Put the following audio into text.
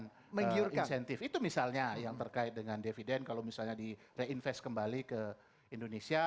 menggiur insentif itu misalnya yang terkait dengan dividend kalau misalnya di reinvest kembali ke indonesia